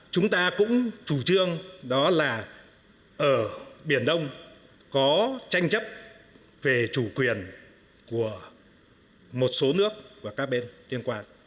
chúng ta cũng chủ trương đó là ở biển đông có tranh chấp về chủ quyền của một số nước và các bên liên quan